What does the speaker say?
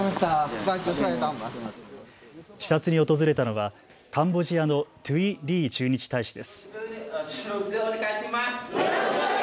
視察に訪れたのはカンボジアのトゥイ・リー駐日大使です。